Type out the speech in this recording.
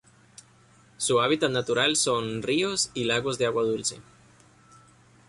Su hábitat natural son: ríos y lagos de agua dulce